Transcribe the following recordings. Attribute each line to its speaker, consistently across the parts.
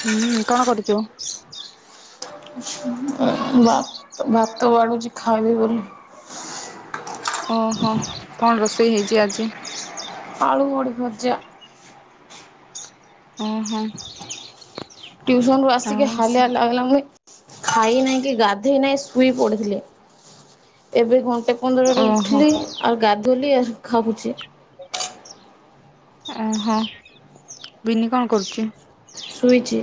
Speaker 1: ହୁଁ କଣ କରୁଚୁ?
Speaker 2: ଭା ଭାତ ବାଡୁଛି ଖାଇବି ବୋଲି।
Speaker 1: ଓହୋ କଣ ରୋଷେଇ ହେଇଛି ଆଜି?
Speaker 2: ଆଳୁ ବଡ଼ି ଭଜା।
Speaker 1: ଓହୋ।
Speaker 2: ଟ୍ୟୁସନ ରୁ ଆସିକି
Speaker 1: ଆଉ ସେ
Speaker 2: ହାଲିଆ ଲାଗିଲା ଯେ ଖାଇ ନାହିଁ କି ଗାଧେଇ ନାହିଁ ଶୋଇ ପଡିଥିଲେ ଏବେ କଣ ଗୋଟେ ପନ୍ଦରରେ
Speaker 1: ଓହୋ
Speaker 2: ଉଠିଲି ଆଉ ଗାଧେଇଲି ଆଉ ଖାଉଛି।
Speaker 1: ଓହୋ ବିିନି କଣ କରୁଛି?
Speaker 2: ସୁଇଚି।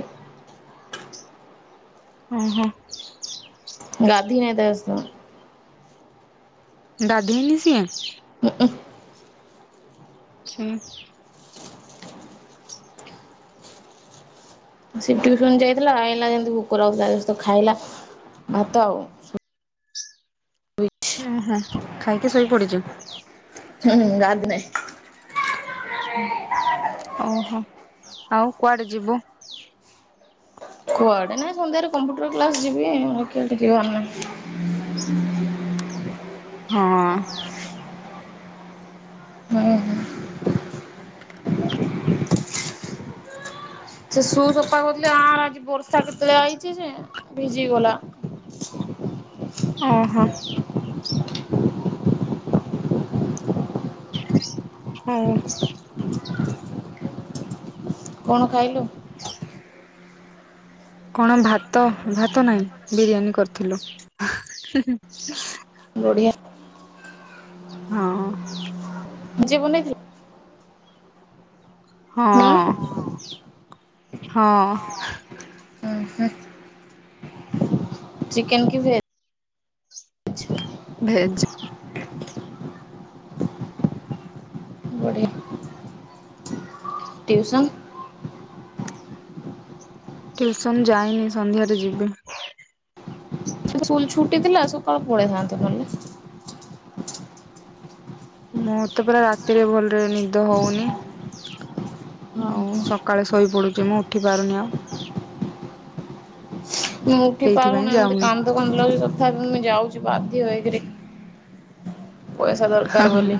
Speaker 1: ଓହୋ।
Speaker 2: ଗାଧେଇନି ଆଜିତ।
Speaker 1: ଗାଧେଇନି ସିଏ?
Speaker 2: ଉଁ ଉ!
Speaker 1: ଛ [unintelligible]
Speaker 2: ସେ ଟିଉସନ ଯାଇଥିଲା ଆଇଲା ଯେମତି ଭୋକ ଲାଗୁ ଥିଲା ତ ଖାଇଲା ଭାତ ଆଉ
Speaker 1: ଓହୋ ଖାଇକି ଶୋଇ ପଡିଛି।
Speaker 2: ହୁଁ ଗାଦ ନାଇଁ
Speaker 1: ଓହୋ ଆଉ କୁଆଡେ ଯିବୁ?
Speaker 2: କୁଆଡେ ନାଇଁ ସନ୍ଧ୍ୟାରେ କମ୍ପୁଟର କ୍ଲାସ ଯିବି [unintelligible] ବାର ନା। ହୁଁ [inaudible]
Speaker 1: ହଁ।
Speaker 2: ବେ [inaudible] ସେ ସୁ ସଫା କରଥିଲେ ଆ ଆଜି ବର୍ଷା କେତେବେଳେ ଆଇଛି ଯେ ଭିଜିଗଲା। ଆ [inaudible]
Speaker 1: ଓହୋ। ହଁ।
Speaker 2: କଣ ଖାଇଲୁ?
Speaker 1: କଣ ଭାତ ଭାତ ନାହିଁ ବିରିୟାନୀ କରିଥିଲୁ।
Speaker 2: ବଢ଼ିଆ।
Speaker 1: ହଁ।
Speaker 2: ନିଯେ ବନେଇଥିଲେ?
Speaker 1: ହଁ
Speaker 2: ହୁଁ
Speaker 1: ହଁ।
Speaker 2: ହୁଁ ହୁଁ ଚିକେନ କି ଭେଜ୍?
Speaker 1: ଭେଜ।
Speaker 2: ବଢିଆ ଟିଉସନ୍।
Speaker 1: ଟ୍ୟୁସନ ଯାଇନି ସନ୍ଧ୍ୟାରେ ଯିବି।
Speaker 2: ସ୍କୁଲ ଛୁଟି ଥିଲା ସକାଳୁ ପଳେଇଥାନ୍ତ ନହେଲେ।
Speaker 1: ମୁଁ ତ ପର ରାତିରେ ଭଲରେ ନିଦ ହଉନି। ଆଉ ସକାଳେ ଶୋଇପଡୁଛି ମୁଁ ଉଠି ପାରୁନି ଆଉ।
Speaker 2: ମୁଁ ଉଠି
Speaker 1: ସେଇଥିପାଇଁ
Speaker 2: ପାରୁନା, ମତେ
Speaker 1: ଯାଉନି।
Speaker 2: କାନ୍ଦ କାନ୍ଦ ଲାଗୁଛି ତଥାପ ମୁଁ ଯାଉଛି ବାଧ୍ୟ ହେଇକିରି। ପଇସା ଦରକାର ବୋଲି।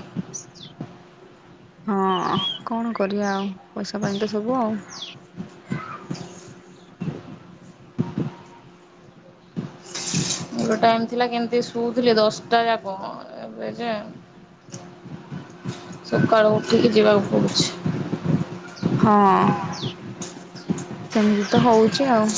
Speaker 1: ହଁ କଣ କରିବା ଆଉ, ପଇସା ପାଇଁ ତ ସବୁ ଆଉ।
Speaker 2: ମୋର ଟାଇମ ଥିଲା କେମିତି ଶୁଉଥିଲି ଦଶଟା ଯାକ, ଏବେ ଯେ ସକାଳୁ ଉଠିକି ଯିବାକୁ ପଡ଼ୁଛି।
Speaker 1: ହଁ, ସେମିତି ତ ହଉଛି ଆଉ।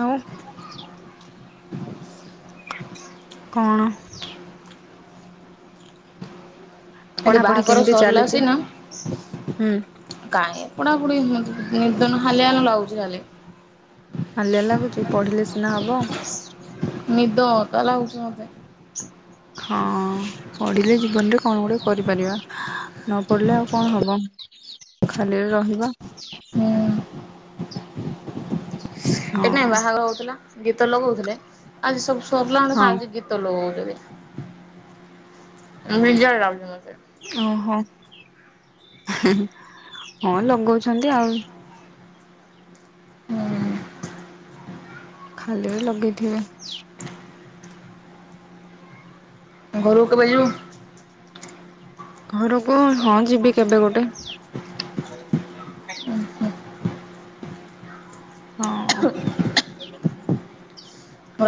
Speaker 1: ଆଉ। କଣ?
Speaker 2: ଏଠି
Speaker 1: ପଢାପଢି
Speaker 2: ବାହାଘର
Speaker 1: କେମିତି
Speaker 2: ସରିଲା
Speaker 1: ଚାଲିଛି?
Speaker 2: ସିନା,
Speaker 1: ହୁଁ
Speaker 2: କାଇଁ? ପଢ଼ାପୁଢ଼ି ହୁଅନ୍ତୁ। ନିଦ ନ ହାଲିଆ ହାଲିଆ ଲାଗୁଛି ଖାଲି।
Speaker 1: ହାଲିଆ ଲାଗୁଚି, ପଢିଲେ ସିନା ହବ।
Speaker 2: ନିଦ ତ ଲାଗୁଚି ମତେ।
Speaker 1: ହଁ ପଢିଲେ। ଜୀବନରେ କଣ ଗୁଡ଼ିଏ କରିପାରିବା, ନ ପଢ଼ିଲେ ଆଉ କଣ ହେବ। ଖାଲିରେ ରହିବା।
Speaker 2: ହୁଁ ଏଇଠି ନା
Speaker 1: ହଁ
Speaker 2: ବାହାଘର ହଉଥିଲା, ଗୀତ ଲଗଉଥିଲେ ଆଜି ସବୁ ସରିଲାଣି, ସେ
Speaker 1: ହଁ
Speaker 2: ଆଜି ଗୀତ ଲଗଉ ବିଜାର ଲାଗୁଚି ମତେ।
Speaker 1: ଓହୋ, ହଁ ଲଗଉଛନ୍ତି ଆଉ।
Speaker 2: ହୁଁ।
Speaker 1: ଖାଲିରେ ଲଗେଇଥିବେ।
Speaker 2: ଘରୁକୁ କେବେ ଯିବୁ?
Speaker 1: ଘରୁକୁ, ହଁ ଯିବି କେବେ ଗୋଟେ। ହଁ।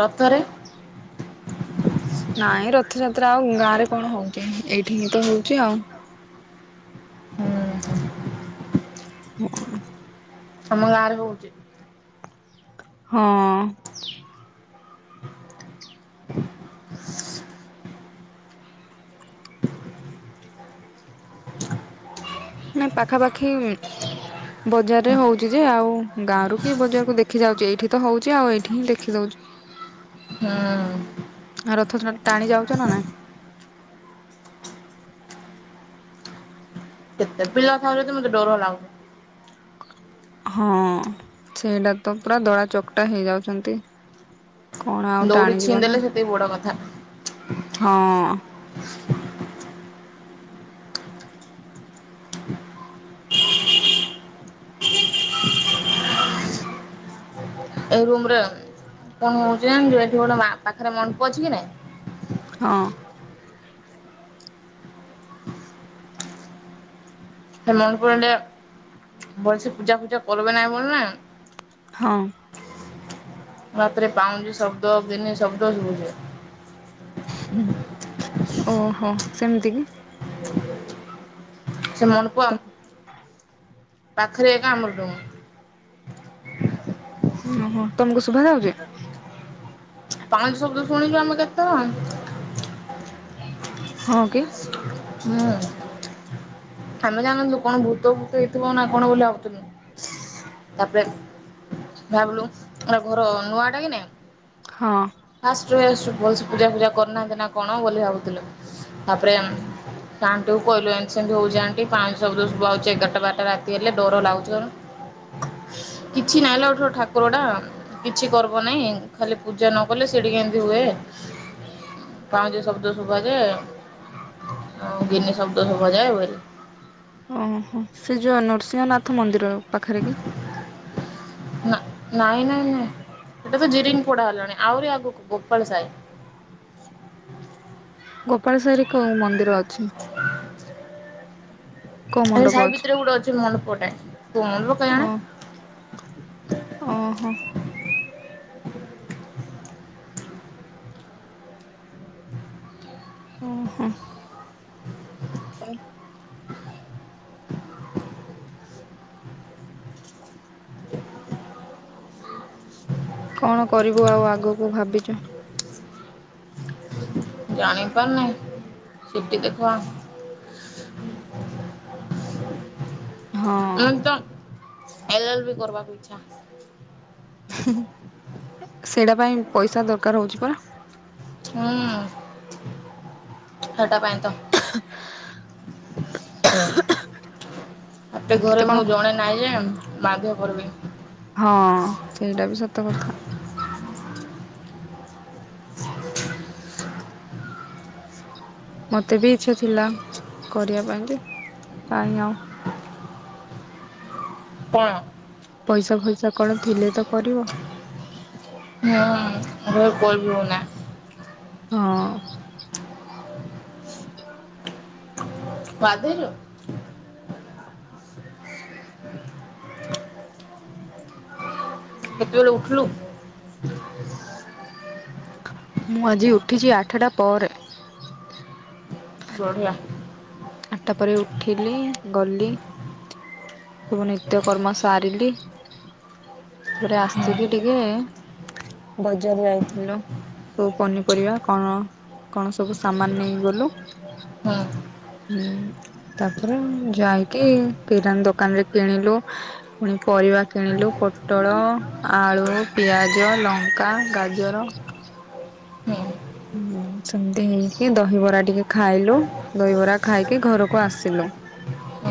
Speaker 2: ରଥରେ?
Speaker 1: ନାଇଁ ରଥଯାତ୍ରା ଆଉ ଗାଁରେ କଣ ହଉଛି ।ଏଇଠି ହିଁ ତ ହଉଛି ଆଉ।
Speaker 2: ହୁଁ
Speaker 1: ହଁ।
Speaker 2: ଆମ ଗାଁରେ ହଉଚି।
Speaker 1: ହଁ। ନାଇଁ ପାଖାପାଖି ବଜାରରେ ହଉଛି ଯେ, ଆଉ ଗାଁରୁ କିଏ ବଜାରକୁ ଦେଖି ଯାଉଛି। ଏଇଠି ତ ହଉଛି ଆଉ ଏଇଠି ହିଁ ଦେଖି ଦଉଚୁ।
Speaker 2: ହଁ।
Speaker 1: ଆ ରଥ ଟ ଟାଣି ଯାଉଛ ନା ନାଇଁ?
Speaker 2: [inaudible] କେତେ ପିଲା ଥାଉଚନ୍ତି, ମତେ ଡର ଲାଗୁଛି।
Speaker 1: ହଁ, ସେଇଟା ତ ପୁରା ଦଳାଚକଟା ହେଇଯାଉଛନ୍ତି। କଣ ଆଉ
Speaker 2: ଦୌଡି
Speaker 1: ଟାଣିଯିବ ନା?
Speaker 2: ଛିଣ୍ଡେଇଲେ ସେତିକି ବଡ କଥା
Speaker 1: ହଁ।
Speaker 2: ଏଇ ରୁମରେ କଣ ହଉଛି ଜାଣିଚୁ? ଏଠି ଗୋଟେ ମା ପାଖରେ ମଣ୍ଡପ ଅଛି କି ନାଇଁ?
Speaker 1: ହଁ।
Speaker 2: ସେ ମଣ୍ଡପ୍ ରେ ଏଇନେ ଭଲସେ ପୂଜା ଫୂଜା କରବେ ନାହିଁ ବୋଲି ନାଇ
Speaker 1: ହଁ।
Speaker 2: ରାତରେ ପାଉଁଜି ଶବ୍ଦ ଗିନି ଶବ୍ଦ ଶୁଭୁଛି।
Speaker 1: ହୁଁ ଓହୋ ସେମିତି କି।
Speaker 2: ସେ ମଣ୍ଡପ ପାଖରେ ଏକା ଆମର ରୁମ।
Speaker 1: ଓହୋ ତମକୁ ଶୁଭାଯାଉଛି।
Speaker 2: ପାଉଁଜି ଶବ୍ଦ ଶୁଣିଛୁ ଆମେ କେତେଥର।
Speaker 1: ହଁ କି।
Speaker 2: ହୁଁ। ଆମେ ଜାଣିନଥିଲୁ କଣ ଭୂତ ଭୂତ ହେଇଥିବନା କଣ ବୋଲି ଭାବୁଥିଲୁ। ତାପରେ ଭାବିଲୁ ଘର ନୂଆଟା କି ନାଇ।
Speaker 1: ହଁ
Speaker 2: [unintelligible] ଭଲସେ ପୂଜାଫୂଜା କରିନାହାନ୍ତି ନା କଣ ବୋଲି ଭାବୁଥିଲୁ ତାପରେ ସେ ଆଣ୍ଟିକୁ କହିଲୁ ଏମିତି ସେମିତି ହଉଛି ଆଂଟି ପାଉଁଜି ଶୁବାଯାଉଛି ଏଗାରଟା ବାରଟା ରାତି ହେଲେ ଡର ଲାଗୁଛି କିଛି ନାହିଁଲୋ ଉଠୁ ଠାକୁରଟା। କିଛି କରବ ନାହିଁ ଖାଲି ପୂଜା ନ କଲେ ସେଠି କେମିତି ହୁଏ। ପାଉଁଜି ଶବ୍ଦ ଶୁଭା ଯେ ଆଉ ଗିନି ଶବ୍ଦ ଶୁଭାଯାଏ ବୋଲି
Speaker 1: ଓହୋ ସେ ଯୋଉ ନୃସିଂହନାଥ ମନ୍ଦିର ପାଖରେ କି?
Speaker 2: ନା ନାଇଁ ନାଇଁ ନାଇଁ ସେଇଟା ତ ଜିରିଙ୍ଗ ପୋଡା ହେଲାଣି ଆହୁରି ଆଗକୁ ଗୋପାଳ ସାହି। [unintelligible]
Speaker 1: ଗୋପାଳେଶ୍ୱରୀ କୋଉ ମନ୍ଦିର? [inaudible]
Speaker 2: [unintelligible]
Speaker 1: କୋଉ
Speaker 2: ଏଇ
Speaker 1: ମଣ୍ଡପ
Speaker 2: ସାହି
Speaker 1: ଅଛି
Speaker 2: ଭିତରେ ଗୋଟେ ଅଛି ମନପଟେ, କଣ ଲୋ
Speaker 1: ଓ
Speaker 2: କେଇଆଣି
Speaker 1: ଓହୋ [unintelligible] [inaudible] କଣ କରିବୁ ଆଉ ଆଗକୁ ଭାବିଛୁ
Speaker 2: ଜାଣିପାରୁନି, ଚୁଟି ଦେଖ? [unintelligible]
Speaker 1: ହଁ
Speaker 2: ଏଲ, ଏଲ, ବିି, କରବାକୁ ଇଚ୍ଛା ।
Speaker 1: ସେଇଟା ପାଇଁ ପଇସା ଦରକାର ହଉଛି ପରା।
Speaker 2: ହୁଁ ହେଟା ପାଇଁ ତ
Speaker 1: [unintelligible]
Speaker 2: ଏତେ ଘରେ
Speaker 1: କେତେ କଣ
Speaker 2: ମୁଁ ଜଣେ ନାଇଁ ଯେ
Speaker 1: ହୁଁ
Speaker 2: ମାଧ କରିବି।
Speaker 1: ହଁ ସେଇଟା ବି ସତ କଥା।
Speaker 2: [unintelligible]
Speaker 1: ମତେ ବି ଇଛା ଥିଲା କରିବା ପାଇଁ କି, କାହିଁ ଆଉ
Speaker 2: [unintelligible] [unintelligible]
Speaker 1: ପଇସା ଫଇସା କଣ ଥିଲେ ତ କରିବ?
Speaker 2: [unintelligible]
Speaker 1: ହଁ
Speaker 2: ବାଧରୁ [unintelligible] କେତେବେଳେ ଉଠିଲୁ?
Speaker 1: ମୁଁ ଆଜି ଉଠିଛି ଆଠଟା ପରେ
Speaker 2: ବଢ଼ିଆ ।
Speaker 1: ଆଠଟା ପରେ ଉଠିଲି, ଗଲି ସବୁ ନିତ୍ୟ କର୍ମ ସାରିଲି। ରେ,
Speaker 2: ହୁଁ
Speaker 1: ଆସିକି ଟିକେ ବଜାର ଯାଇଥିଲୁ । ସବୁ ପନିପରିବା କଣ କଣ ସବୁ ସାମାନ ନେଇଗଲୁ
Speaker 2: ହୁଁ
Speaker 1: ହୁଁ ତାପରେ ଯାଇକି କିରାନ୍ ଦୋକାନ ରେ କିଣିଲୁ, ପୁଣି ପରିବା କିଣିଲୁ । ପୋଟଳ, ଆଳୁ, ପିଆଜ, ଲଙ୍କା, ଗାଜର
Speaker 2: ହଉ [unintelligible]
Speaker 1: ହୁଁ ସେମିତି ହେଇକି, ଦହିବରା ଟିକେ ଖାଇଲୁ, ଦହିବରା ଖାଇକି ଘରକୁ ଆସିଲୁ ।
Speaker 2: ହଁ [unintelligible]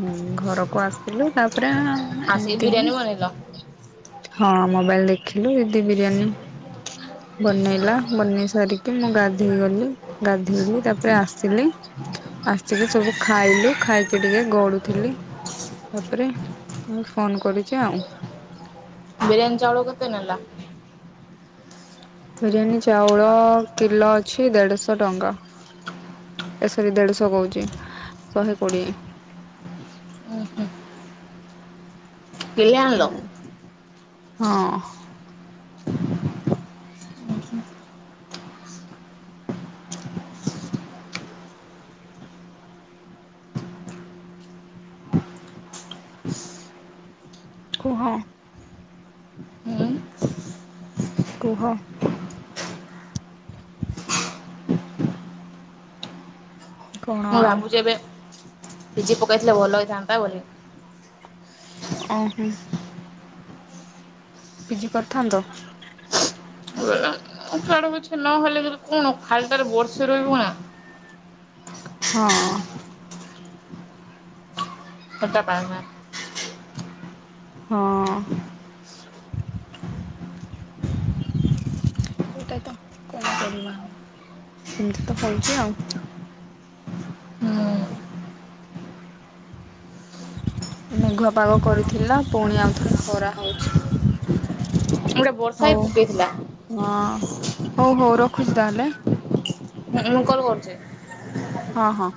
Speaker 1: ହୁଁ ଘରକୁ ଆସିଥିଲୁ, ତାପରେ
Speaker 2: ଆସିକି
Speaker 1: ଏମିତି ହିଁ
Speaker 2: ବିରିୟାନୀ ବନେଇଲ
Speaker 1: ହଁ ମୋବାଇଲ ଦେଖିଲୁ, ଦିଦି ବିରିୟାନୀ ବନେଇଲା ବନେଇ ସାରିକି, ମୁଁ ଗାଧେଇ ଗଲି, ଗାଧେଇଲି ତାପରେ ଆସିଲି, ଆସିକି ସବୁ ଖାଇଲୁ, ଖାଇକି ଟିକେ ଗଡୁଥିଲି। ତାପରେ ମୁଁ ଫୋନ କରିଛି ଆଉ
Speaker 2: ବିରିୟାନୀ ଚାଉଳ କେତେ ନେଲା?
Speaker 1: ବିରିୟାନୀ ଚାଉଳ କିଲୋ ଅଛି ଦେଢଶହ ଟଙ୍କା । ଏ ସରି, ଦେଢଶହ କହୁଛି ଶହେ କୋଡ଼ିଏ ଟଙ୍କା ।
Speaker 2: ଓହୋ କେଇ ଆଣଲୋ--?
Speaker 1: ଆଉ ହଁ କୁହ
Speaker 2: ହୁଁ
Speaker 1: କୁହ? କଣ
Speaker 2: ମୁଁ
Speaker 1: ଆଉ
Speaker 2: ଭାବୁଛି ଏବେ, ଭିଜି ପକେଇଥିଲେ ଭଲ ହେଇଥାନ୍ତା ବୋଲି
Speaker 1: ଆ ହୁଁ। ପିଜି କରିଥାନ୍ତ?
Speaker 2: କୁଆଡ଼େ କିଛି ନହେଲେ ବି କଣ ଖାଲି ଟାରେ ବର୍ଷେ ରହିବୁ ନା।
Speaker 1: ହଁଅଂ।
Speaker 2: ସେଟା ପାଇମା।
Speaker 1: ହଁଅଂ ଏଇଟା ତ କଣ କରିବା ଆଉ ଏମିତି ତ ହଉଛି ଆଉ। ମେଘୁଆ ପାଗ କରିଥିଲା ପୁଣି ଆଉଥରେ ଖରା ହଉଛି।
Speaker 2: ହୁଁ ଗୋଟେ ବର୍ଷା ହିଁ
Speaker 1: ହଉ
Speaker 2: ପକେଇଥିଲା
Speaker 1: ହଁ ହଉ ହଉ ରଖୁଛି ତାହେଲେ।
Speaker 2: ମୁଁ କଲ୍ କରୁଚି।
Speaker 1: ହଁ ହଁ।